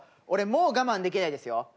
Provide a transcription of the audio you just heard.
俺もう我慢できないですよ。